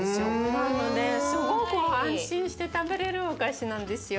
なのですごく安心して食べれるお菓子なんですよ。